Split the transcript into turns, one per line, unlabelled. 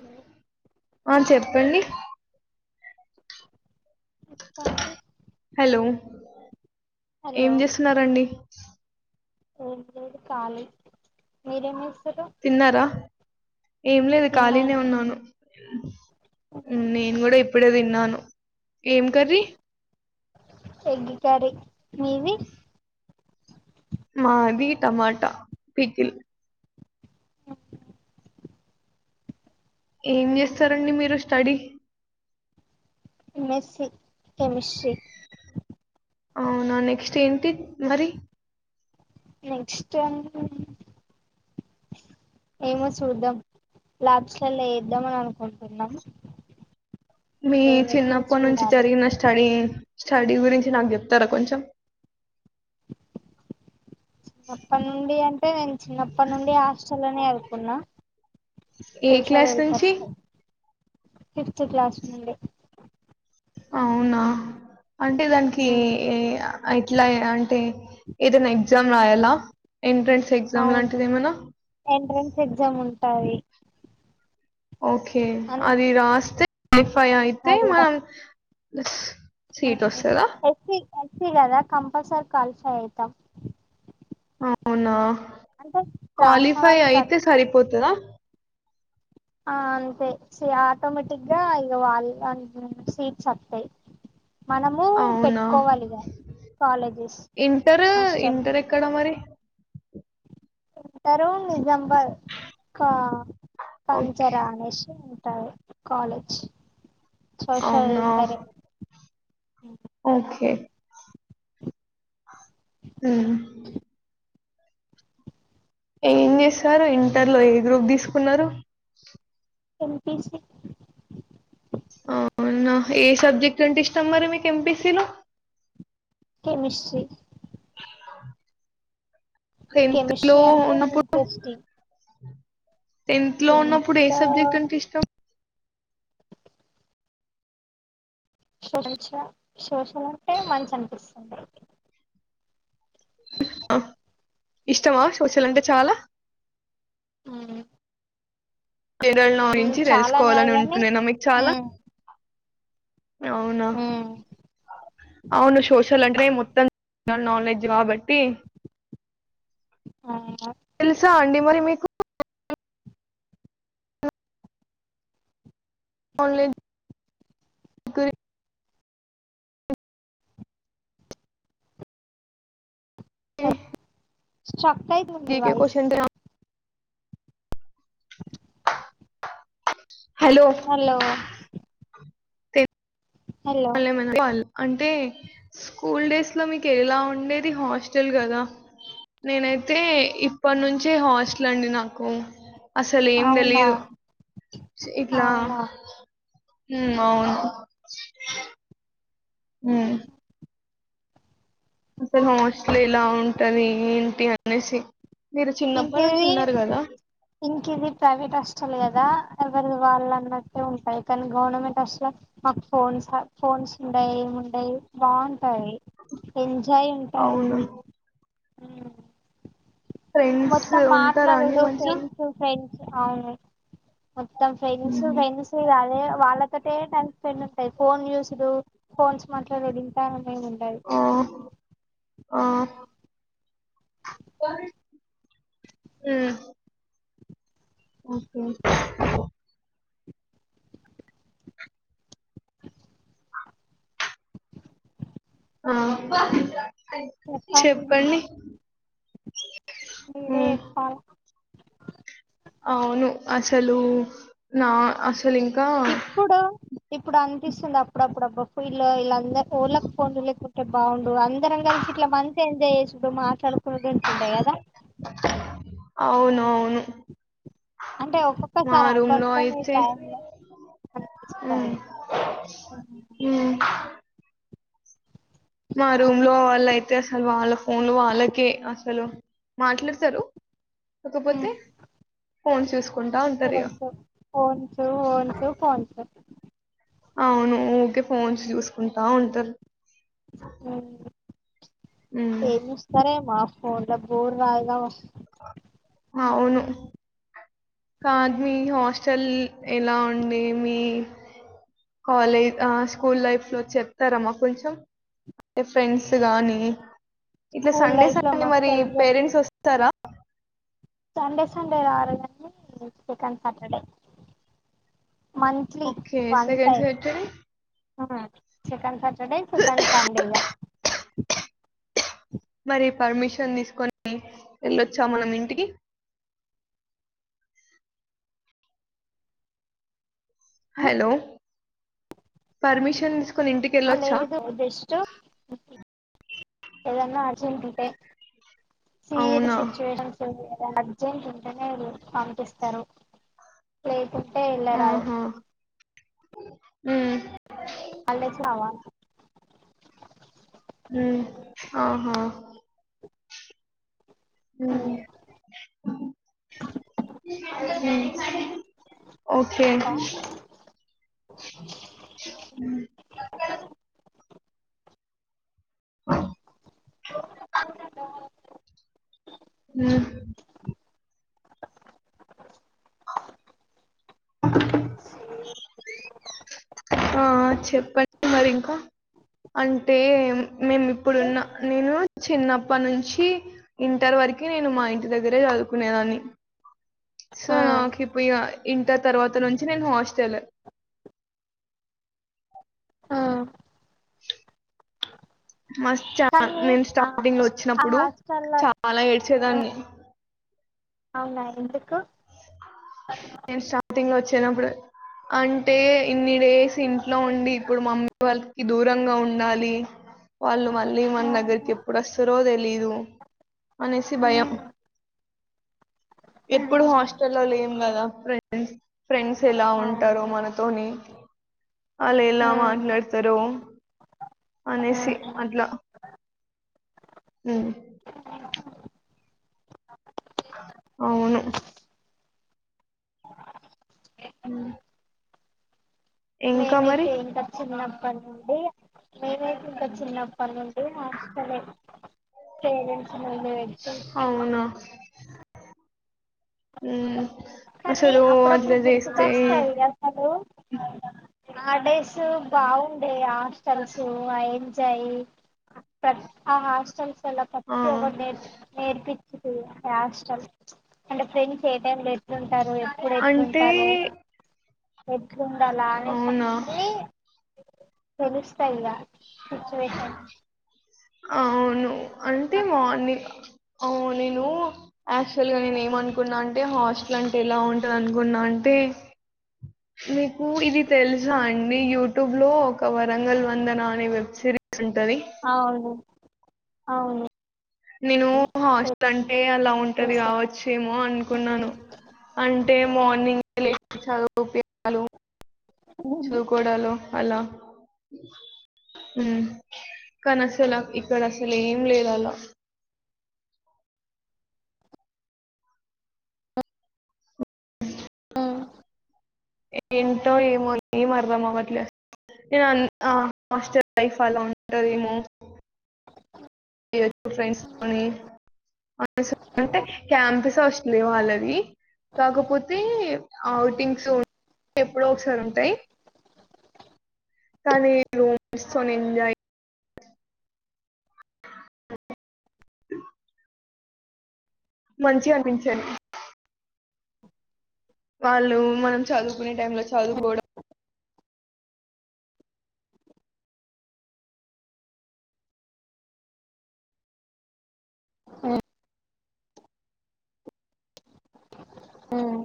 Hello
ఆ చెప్పండి
చెప్పండి
హలో
హలో
ఏం చేస్తున్నారండి
ఏం లేదు కాలి మీరేం చేస్
తిన్నారా ఏం లేదు
తిన్నాయి
ఖాళీనే ఉన్నాను నేను కూడా ఇప్పుడే తిన్నాను ఏం కర్రీ
ఎగ్ కర్రీ మీది
మాది టమాటా పికిల్ ఏం చేస్తారండి మీరు స్టడీ
ఎమ్మెస్సీ కెమిస్ట్రి
అవునా నెక్స్ట్ ఏంటి మరి
నెక్స్ట్ అంట ఏమో చూద్దాం ల్యాబ్స్ లల్లా చేద్దాం అని అనుకుంటున్నాము
మీ చిన్నప్పటి నుంచి జరిగిన స్టడీ స్టడీ గురించి నాకు చెప్తారా కొంచెం
అప్పటినుండి అంటే అయి నేను చిన్నప్పటి నుండి హాస్టల్ని చదువుకున్న
ఏ
సోషల్
క్లాస్ నుంచి
వెల్ఫేర్స్ ఫిఫ్త్ క్లాస్ నుండి
అవునా అంటే దానికి ఏ ఆ ఇట్లా అం తే ఏదైనా ఎ గ్జామ్ రాయలా ఎంట్రన్స్ ఎగ్జామ్
అవును
లాంటిది ఏమనా
టాయి
ఓకే అది రాస్తే క్వాలిఫై అయితే
అది
మనం స్ సీట్ వస్తదా
ఎస్సీ ఎస్సీ కదా కంపల్సరీ క్వాలిఫై అయితాం
అవునా
రాసిన
క్వాలిఫై
వాళ్ళు ప్ర
అయితే సరిపోతదా
ఆ అంతే సి ఆటోమేటిక్ గా ఇక వాళ్ల సీట్స్ వత్తాయ్ మనము
అవునా?
పెట్టుకోవాలి ఇగా కాలేజెస్
ఇంటర్
హాస్టల్
ఇంటర్ ఎక్కడ మరి?
ఇంటరు నిజాంబాద్ కా
ఓకే.
పంచర అనేసి టాయ్ కాలేజ్ సోషల్
అవునా?
సరే
ఓకే ఊ ఏం చేస్తారు ఇంటర్ లో ఏ గ్రూప్ తీసుకున్నారు
ఎంపీసీ
అవునా ఏ సబ్జెక్ట్ అంటే ఇష్టాం మరి మీకు ఎంపిసిలో
కెమిస్ట్రీ
టెన్త్ లో
కెమిస్ట్రీ అంటే
ఉన్నప్పుడు
ఇంట్రెస్టింగ్
టెన్త్ లో ఉన్నప్పుడు ఏ సబ్జెక్ట్ అంటే ఇష్టం
సోష సోషల్ అంటే మంచి అనిపిస్తుంది
ఇష్టమా సోషల్ అంటే చాలా
హ్మ్
జనరల్ నా నుంచి తెలుసుకోవాలని
కాని
ఉంటుండేనా మీకు చాలా అవునా అవును సోషల్ అంటే మొత్తం నాలెడ్జ్ కాబట్టి
ఆ
తెలుసా అండి మరి మీకు ఆన్లైన్ గురి
స స్టక్ [unintelligible] ఉంది నీ
GK
voice
question hello
hello hello
[inaudible] అంటే స్కూల్ డేస్ లో మీకు ఎలా ఉండేది హాస్టల్ కదా నేనైతే ఇప్పటి నుంచే హాస్టల్ అండి నాకు అసలు ఏం
అవునా
తెలీదు ఇట్లా
అవునా
ఉ అవును హు అసలు హాస్టల్ ఎలా ఉంటది ఏంటి అనేసి మీరు చిన్నప్పటి నుంచి
ఇంకేది
ఉన్నారు కదా
ఇంకేది ప్రైవేట్ హాస్టల్ కదా ఎవరి వాళ్ళు అన్నట్టే ఉంటాయి కానీ గవర్నమెంట్ హాస్టల్ మాకు ఫోన్స్ ఫోన్స్ ఉండయి ఏమి ఉండయి బాగు టాయి ఎంజాయ్ ఉంటాయి
అవును
ఉ
ఫ్రెండ్స్
మొత్తం
ఉంటారా అండి
మాట్లాడుడు
మంచిగా
ఫ్రెండ్స్ ఫ్రెండ్స్ అవును మొత్తం ఫ్రెండ్స్
ఉహు
ఫ్రెండ్స్ వాళ్ళు అదే వాళ్ళతోటే కా అన్ని ఉంటాయి ఫోన్ చుసుడు ఫోన్స్ మాట్లాడు ఇంత ఏం ఉండదు
ఆ ఆ ఉహు ఓకే ఆ చెప్పండి
మీరే
ఉమ్
చెప్పాలే
అవును అసలు నా అస వీళ్లు ఇంకా
ఇప్పుడు ఇప్పుడు అనిపిస్తుంది అప్పుడప్పుడు అబ్బా పిల్ ఇలా ఇళ్లకు ఎవ్వలకు ఫోన్ లేకుండే అంటే బాగుం ఇప్పుడు అందరం కలిసి ఇట్లా మంచిగాఎంజాయ్ చేసుడు మాట్లాడుకున్నడు గిట్ల ఉండడు కదా
అవునువును
అంటే
మా
ఒక్కొక్కసారి
రూమ్
కొన్ని
లో
కొన్ని
అయితే
టైమ్ లో
హు
అనిపిస్తాది
హు మా రూమ్ లో వాళ్ళ అయితే అసలు వాళ్ళ ఫోన్ లో వాళ్ళకే అసలు మాట్లాడతారు కాకపోతే ఫోన్ చూసు
కొంచెం ఫోన్స్ ఫోన్స్ ఫోన్స్
అవును ఓకే ఫోన్స్ చూసుకుంటా ఉంటారు ఉమ్
ఏమి ఇస్తారో ఏమో అప్ ఫోన్ల బోర్ రాదుగా
అవును కాదు మీ హాస్టల్ ఎలా ఉండే మీ కాలేజ్ స్కూల్ లైఫ్ లో చెప్తార మాకు కొంచెం ఫ్రెండ్స్ గానీ ఇట్లా
స్కూల్
సండేస్
లైఫ్
అ
లో మస్తు
మరి
ఎంజాయ్
పేరెంట్స్ వస్తారా
సండే సండే రారు గని second Saturday monthly
okay second సెటు
హు సెకండ్ సాటర్డే సెకండ్ సండె ఇగ
మరి పర్మిషన్ తీసుకొని వెళ్ళొచ్చా మనం ఇంటికి హలో పర్మిషన్ తీసుకొని ఇంటికి
హా
వెళ్ళొచ్చా
లేదు జస్ట్ ఎదన్నా అర్జెంట్ ఉంటే సీరిస్
అవునా
సిచువేషన్ ఉంటే అర్జెంట్ ఉంటేనే పంపిస్తారు కుంటే ఇలా రాదు
ఉ
అల్ళె చవా
ఉమ్, ఆహా ఓకే ఆ ఉ ఆ చెప్పండి మరి ఇంకా అంటే మేము ఇప్పుడున్న నేను చిన్నప్ప నుంచి ఇంటర్ వరకి నేను మా ఇంటి దగ్గరే చదువుకునేదాన్ని సో
ఆ
నాకు ఇ ఇంటర్ తర్వాత నుంచి నేను హాస్టల్
ఆ కానీ ఆ
స్టార్టింగ్ లో
ఆ
వచ్చినప్పుడు
హాస్టల్లో
చాలా ఏడ్చేదాన్ని
అవునా ఎందుకు
స్టార్టింగ్ వోచ్ చిన్నప్పుడు అంటే ఇన్ని డేస్ ఇంట్లో ఉండి ఇప్పుడు మమ్మీ వాళ్ళకి దూరంగా ఉండాలి వాళ్ళు మళ్ళీ మన
ఆ
దగ్గరికి ఎప్పుడు వస్తారో తెలీదు అనేసి భయం ఎప్పుడు
ఆ
హస్ ఇలలు లేం కదా ఫ్రెండ్ ఫ్రెండ్స్ ఎలా
ఆ
ఉంటారో మనతోని వాళ్ళు ఎలా
ఆ
మాట్లాడతారో
ఆ
అనేసి అట్లా ఉ అవును హు
మేమైతే ఏంట చిన్నా [unintelligible] ఏ చిన్న పర్ నేను హాస్టల్ లే [unintelligible] మ
ఉ
కాని అప్పుడప్పుడు గుర్తుకోస్తాయి అసలు ఆ డేస్ బాగుండే ఆ [unintelligible] యి ఆ హాస్టల్
ఆ,
[unintelligible] నేర్ నేర్పిచ్చి హాస్టల్ అంటే ఫ్రె చేయడం లే [unintelligible] ంట ఎప్పుడ
అంటే
ఎతులుంటారు అ గుండాల అనిషా
అవునా
తెలుస్తయిగ సిచువేషన్
అవును అంటే మో ని క అవు నేను యాక్చువల్ గ నేను ఏమనుకున్నా అంటే హాస్టల్ అంటే ఎలా ఉంటుంది అనుకున్నా అంటే మీకు ఇది తెలుసా అండి యూట్యూబ్ లో ఒక వరంగల్ వందనా అని వెబ్ సిరీస్ ఉంటది.
అవును అవును
నేను హాస్టల్ అంటే అలా ఉంటది
తెలుస్తాయి
కావచ్చేమో అనుకున్నాను అంటే మార్నింగ్ లే చదు పించ్ డాలు
ఉహు
చదుకోడాలు అలా హ్మ్ కానీ అసల ఇక్కడ అసలు ఏం లేదు అలా ఏంటో ఏమో ఏం అర్థం అవట్లే నేను ఆన్ హ హాస్టల్ లైఫ్ అలా ఉంటది ఏమో ఎయిత్ ఫ్రెండ్స్ అని అను సు అంటే క్యాంప్స్ హాస్టలే వాళ్ళది కాకపోతే ఔటింగ్స్ ఉం ఎప్పుడో ఒకసారి ఉంటాయి కాని రూమ్ సో నేంజయి మంచి గ అనిపించేది వాళ్ళు మనం చదువు కొనే టైంలో చదువుకోడం
ఆ హ్మ్